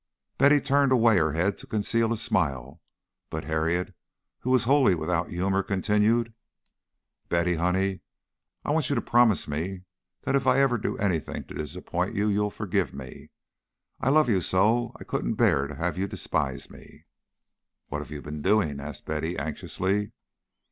Betty turned away her head to conceal a smile; but Harriet, who was wholly without humour, continued: "Betty, honey, I want you to promise me that if I ever do anything to disappoint you, you'll forgive me. I love you so I couldn't bear to have you despise me." "What have you been doing?" asked Betty, anxiously.